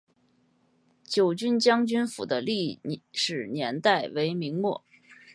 九军将军府的历史年代为明末。